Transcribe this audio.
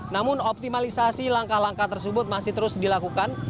namun optimalisasi langkah langkah tersebut masih terus dilakukan